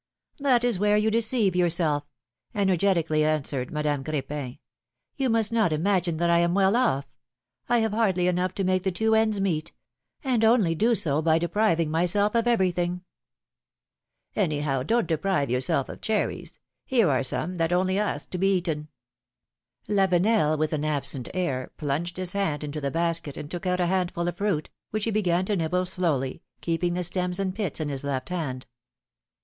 That is where you deceive yourself," energetically an swered Madame Cr^pin. You must not imagine that I am well off ; I have hardly enough to make the two ends meet, and only do so by depriving myself of every thing!" Any how, don't deprive yourself of cherries ; here are some, that only ask to be eaten." Lavenel, with an absent air, plunged his hand into the basket and took out a handful of fruit, which he began to nibble slowly, keeping the stems and pits in his left hand.